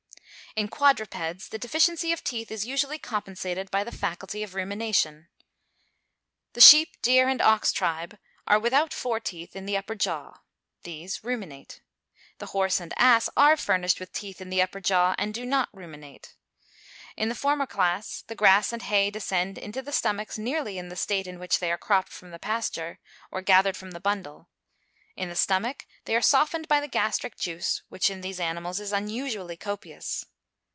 In quadrupeds the deficiency of teeth is usually compensated by the faculty of rumination. The sheep, deer, and ox tribe, are without fore teeth in the upper jaw. These ruminate. The horse and ass are furnished with teeth in the upper jaw, and do not ruminate. In the former class, the grass and hay descend into the stomachs nearly in the state in which they are cropped from the pasture, or gathered from the bundle. In the stomach, they are softened by the gastric juice, which in these animals is unusually copious.